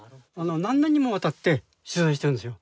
何年にもわたって取材してるんですよ。